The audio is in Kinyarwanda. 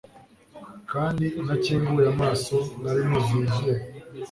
Kandi ntakinguye amaso nari nuzuye izuba